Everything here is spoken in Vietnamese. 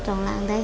trong làng đây